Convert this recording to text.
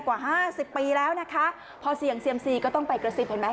กว่าห้าสิบปีแล้วนะคะพอเสี่ยงเซียมซีก็ต้องไปกระซิบเห็นไหม